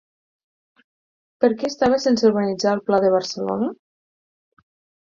Per què estava sense urbanitzar el Pla de Barcelona?